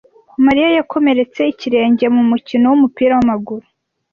Mariya yakomeretse ikirenge mu mukino wumupira wamaguru.